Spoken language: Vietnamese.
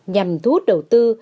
nhằm thu hút đầu tư